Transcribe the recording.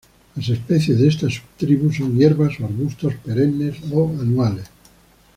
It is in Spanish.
Las especies de esta subtribu son hierbas, o arbustos, perennes o anuales.